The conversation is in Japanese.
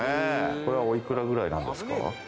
これは、おいくらくらいなんですか？